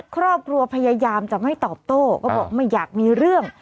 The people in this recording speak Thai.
ครอบครัวพยายามจะไม่ตอบโต้ก็บอกไม่อยากมีเรื่อง